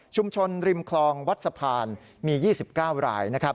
ริมคลองวัดสะพานมี๒๙ราย